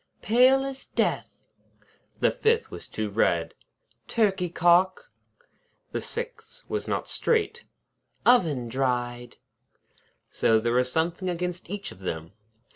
'Pale as death!' The fifth was too red. 'Turkey cock!' The sixth was not straight. 'Oven dried!' So there was something against each of them.